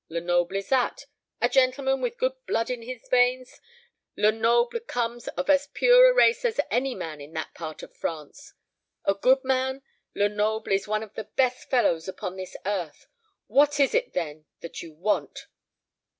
Lenoble is that. A gentleman, with good blood in his veins? Lenoble comes of as pure a race as any man in that part of France. A good man? Lenoble is one of the best fellows upon this earth. What is it, then, that you want?"